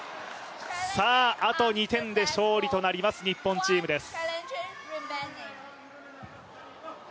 あと２点で勝利となります日本チームです。